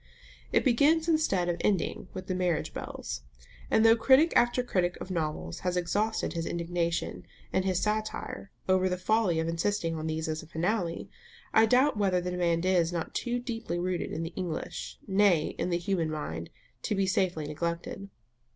It begins instead of ending with the marriage bells; and though critic after critic of novels has exhausted his indignation and his satire over the folly of insisting on these as a finale, I doubt whether the demand is not too deeply rooted in the English, nay, in the human mind, to be safely neglected.